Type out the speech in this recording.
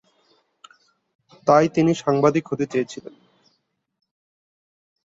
তাই তিনি সাংবাদিক হতে চেয়েছিলেন।